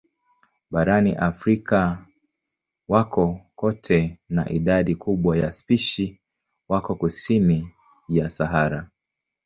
Barani Afrika wako kote na idadi kubwa ya spishi wako kusini ya Sahara.